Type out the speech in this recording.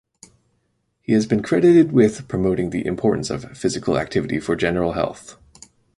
He has been credited with promoting the importance of Physical Activity for general health.